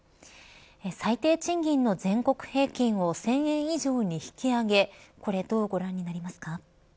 最低賃金の全国平均を１０００円以上に引き上げこれ、どうご覧になりますか。